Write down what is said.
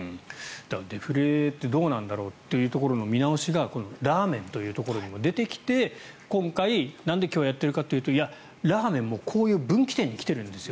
デフレってどうなんだろうというところの見直しがラーメンというところにも出てきて今回、なんで今日やっているかというといや、ラーメンもこういう分岐点に来てるんですよ